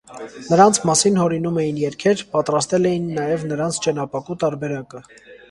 Նրանց մասին հորինում էին երգեր, պատրաստել էին նաև նրաց ճենապակու տարբերակը։